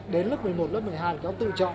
đến lớp một mươi một lớp một mươi hai thì nó tự chọn